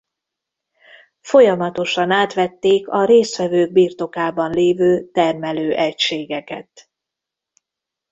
Folyamatosan átvették a résztvevők birtokában lévő termelő egységeket.